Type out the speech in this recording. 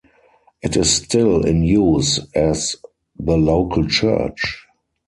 It is still in use as the local church.